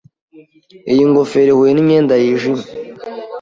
Iyi ngofero ihuye nimyenda yijimye.